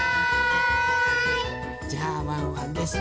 じゃあワンワンですね。